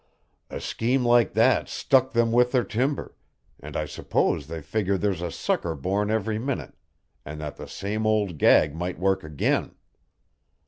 "A scheme like that stuck them with their timber, and I suppose they figure there's a sucker born every minute and that the same old gag might work again.